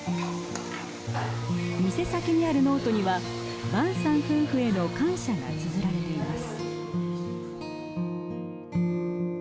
店先にあるノートには万さん夫婦への感謝がつづられています。